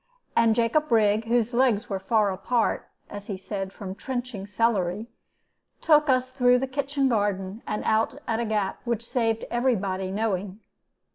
And Jacob Rigg, whose legs were far apart (as he said) from trenching celery, took us through the kitchen garden, and out at a gap, which saved every body knowing.